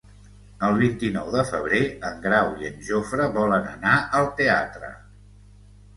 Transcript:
El vint-i-nou de febrer en Grau i en Jofre volen anar al teatre.